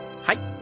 はい。